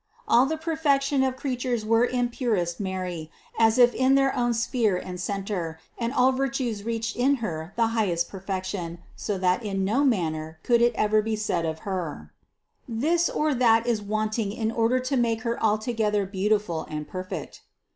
All the perfection of crea tures were in purest Mary as if in their own sphere and center, and all virtues reached in Her the highest perfec tion, so that in no manner could it ever be said of Her : this or that is wanting in order to make Her altogether beautiful and perfect.